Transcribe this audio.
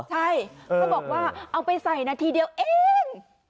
ใช่เขาบอกว่าเอาไปใส่นาทีเดียวเอง